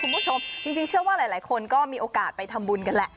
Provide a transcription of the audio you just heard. คุณผู้ชมจริงเชื่อว่าหลายคนก็มีโอกาสไปทำบุญกันแหละ